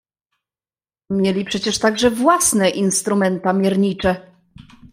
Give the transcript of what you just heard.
"Mieli przecież także własne instrumenta miernicze."